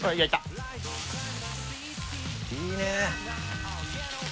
いいね。